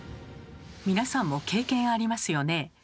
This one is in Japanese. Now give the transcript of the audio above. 皆さんも経験ありますよね。